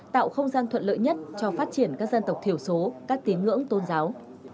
tạo không gian thuận lợi nhất cho phát triển các dân tộc thiểu số các tín ngưỡng tôn giáo